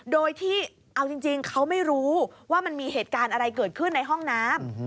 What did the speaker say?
โดยที่เอาจริงเขาไม่รู้ว่ามันมีเหตุการณ์อะไรเกิดขึ้นในห้องน้ำ